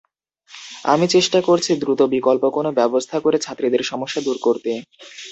আমরা চেষ্টা করছি দ্রুত বিকল্প কোনো ব্যবস্থা করে ছাত্রীদের সমস্যা দূর করতে।